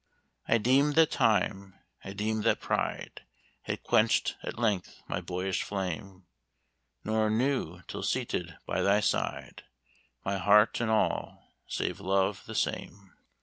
"I deem'd that time, I deem'd that pride Had quench'd at length my boyish flame Nor knew, till seated by thy side, My heart in all, save love, the same.